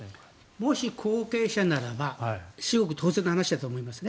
もし、後継者ならば至極当然の話だと思いますね。